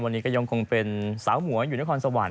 วันนี้ก็ยังคงเป็นสาวหมวยอยู่นครสวรรค